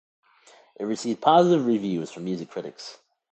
It received positive reviews from music critics.